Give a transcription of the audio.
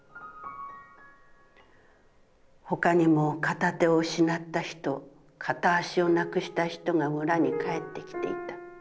他にも片手を失った人、片足を無くした人が村に帰って来ていた。